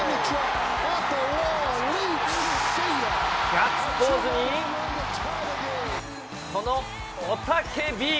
ガッツポーズに、この雄たけび。